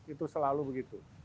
itu selalu begitu